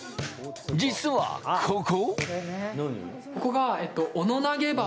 実はここ。